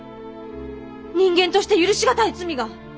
人間として許し難い罪が！